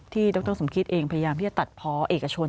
ที่ดรสมคริสต์เองพยายามที่จะตัดพอเอกชน